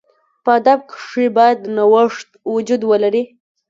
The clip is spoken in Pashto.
په ادب کښي باید نوښت وجود ولري.